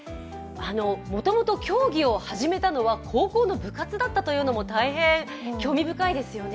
もともと協議を始めたのは高校の部活だったというのも大変興味深いですよね。